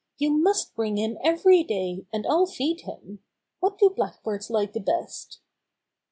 "You must bring him every day, and I'll feed him. What do Blackbirds like the best?"